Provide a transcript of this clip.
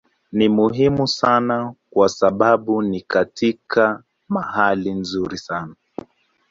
Ni muhimu sana kwa sababu ni katika mahali nzuri sana.